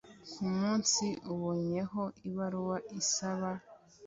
Ku munsi aboneyeho ibaruwa isaba